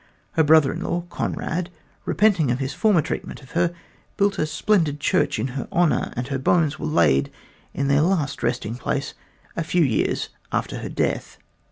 Her brother in law, Conrad, repenting of his former treatment of her, built a splendid church in her honor, and her bones were laid in their last resting place a few years after her death.